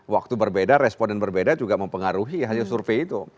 waktu berbeda responden berbeda juga mempengaruhi hasil survei itu